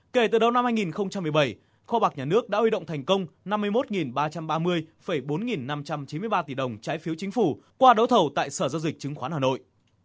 kể từ đầu năm hai nghìn một mươi bảy kho bạc nhà nước đã huy động thành công năm mươi một ba trăm ba mươi bốn nghìn năm trăm chín mươi ba tỷ đồng trái phiếu chính phủ qua đấu thầu tại sở giao dịch chứng khoán hà nội